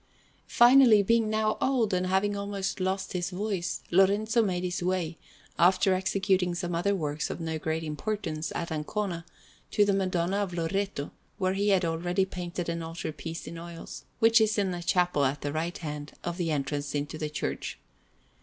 Finally, being now old, and having almost lost his voice, Lorenzo made his way, after executing some other works of no great importance at Ancona, to the Madonna of Loreto, where he had already painted an altar piece in oils, which is in a chapel at the right hand of the entrance into the church.